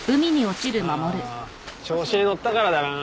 あ調子に乗ったからだな。